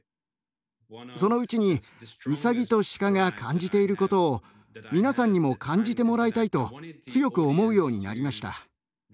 そのうちにウサギとシカが感じていることを皆さんにも感じてもらいたいと強く思うようになりました。